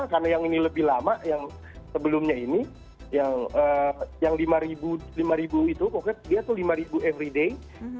tapi lama yang sebelumnya ini yang lima ribu itu pokoknya dia tuh lima ribu everyday